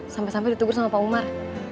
sampai sampai ditubur sama pak umar